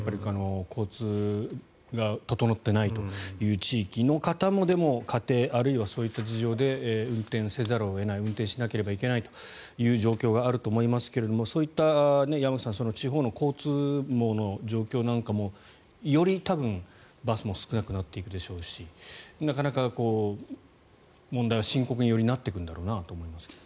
交通が整っていないという地域の方もでも、家庭あるいはそういった事情で運転せざるを得ない運転しなければいけないという状況があると思いますがそういった山口さん地方の交通網の状況なんかもよりバスも少なくなっていくでしょうしなかなか問題は深刻になっていくんだろうと思いますが。